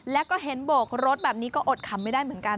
แล้วก็เห็นโบกรถแบบนี้ก็อดขำไม่ได้เหมือนกัน